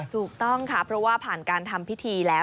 ถูกต้องค่ะเพราะว่าผ่านการทำพิธีแล้ว